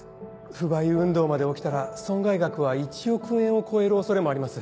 不買運動まで起きたら損害額は１億円を超える恐れもあります。